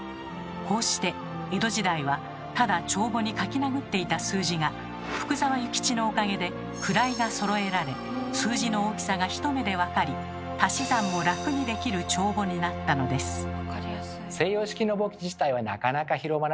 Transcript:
こうして江戸時代はただ帳簿に書きなぐっていた数字が福沢諭吉のおかげで位がそろえられ数字の大きさがひと目で分かり足し算も楽にできる帳簿になったのです。